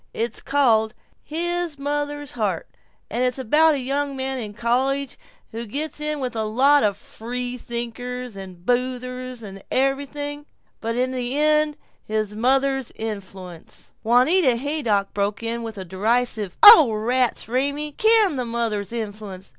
It's called 'His Mother's Heart,' and it's about a young man in college who gets in with a lot of free thinkers and boozers and everything, but in the end his mother's influence " Juanita Haydock broke in with a derisive, "Oh rats, Raymie! Can the mother's influence!